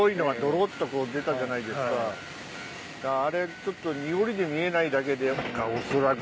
あれちょっと濁りで見えないだけで恐らく。